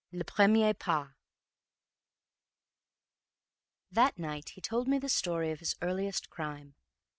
LE PREMIER PAS That night he told me the story of his earliest crime.